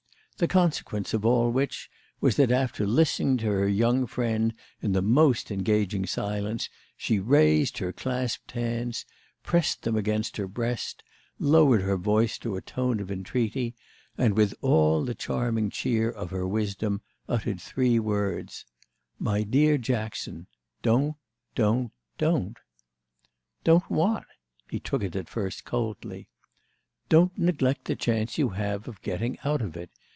The consequence of all of which was that after listening to her young friend in the most engaging silence she raised her clasped hands, pressed them against her breast, lowered her voice to a tone of entreaty and, with all the charming cheer of her wisdom, uttered three words: "My dear Jackson, don't—don't—don't." "Don't what?" He took it at first coldly. "Don't neglect the chance you have of getting out of it.